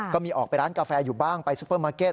ก็มีออกไปร้านกาแฟอยู่บ้างไปซุปเปอร์มาร์เก็ต